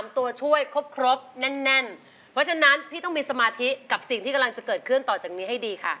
ตัวช่วยครบแน่นเพราะฉะนั้นพี่ต้องมีสมาธิกับสิ่งที่กำลังจะเกิดขึ้นต่อจากนี้ให้ดีค่ะ